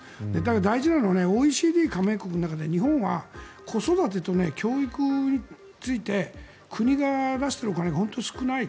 大事なのはＯＥＣＤ加盟国の中で日本は子育てと教育について国が出しているお金が本当に少ない。